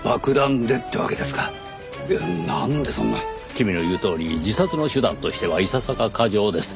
君の言うとおり自殺の手段としてはいささか過剰です。